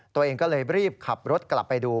ตัวเองก็เลยรีบขับรถกลับไปดู